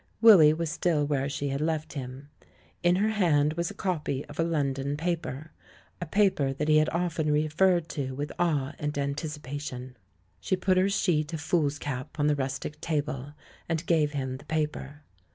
Willy was still where she had left him. In her hand was a copy of a London paper — a paper that he had often referred to with awe and anticipation. She put her sheet of foolscap on the rustic table, and gave him the paper.